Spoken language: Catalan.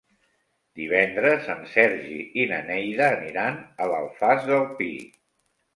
Divendres en Sergi i na Neida aniran a l'Alfàs del Pi.